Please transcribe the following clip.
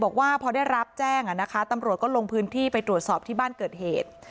บอกว่าพอได้รับแจ้งตำรวจก็ลงพื้นที่ไปตรวจสอบที่บ้านเกิดเหตุ